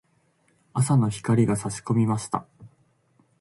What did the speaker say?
朝の光が差し込みました。